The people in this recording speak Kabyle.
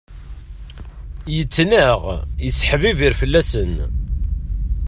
Yettnaɣ, yesseḥbibir fell-asen.